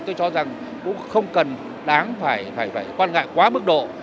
tôi cho rằng cũng không cần đáng phải quan ngại quá mức độ